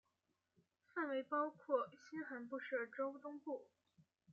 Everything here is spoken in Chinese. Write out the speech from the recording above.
范围包括新罕布什尔州东部。